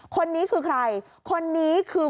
คนนี้คือใครคนนี้คือ